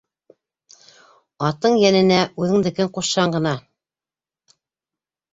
Аттың йәненә үҙеңдекен ҡушһаң ғына...